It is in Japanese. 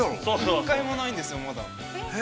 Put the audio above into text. ◆一回もないんですよ、まだ。